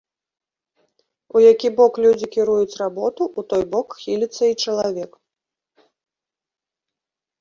У які бок людзі кіруюць работу, у той бок хіліцца і чалавек.